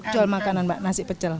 jual makanan mbak nasi pecel